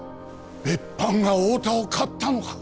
別班が太田を買ったのか？